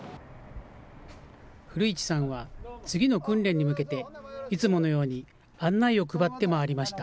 古市さんは次の訓練に向けて、いつものように案内を配って回りました。